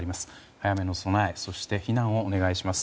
早めの備えそして避難をお願いします。